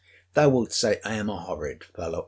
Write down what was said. Thou wilt say I am a horrid fellow!